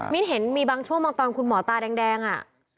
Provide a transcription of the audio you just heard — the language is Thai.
เห็นมีบางช่วงบางตอนคุณหมอตาแดงอ่ะ